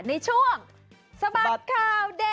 ในช่วงสบัดข่าวเด็ด